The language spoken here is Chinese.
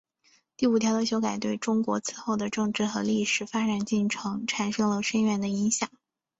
第五条的修改对中国此后的政治和历史发展进程产生了深远影响。